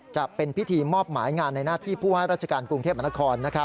จะเป็นพิธีมอบหมายงานในหน้าที่ผู้ให้ราชการกรุงเทพมนาคม